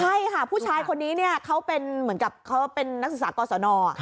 ใช่ค่ะผู้ชายคนนี้เนี่ยเขาเป็นนักศึกษากรสน